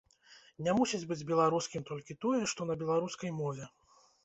Не мусіць быць беларускім толькі тое, што на беларускай мове.